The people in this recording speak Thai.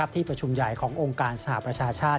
ที่ประชุมใหญ่ขององค์การสหประชาชาติ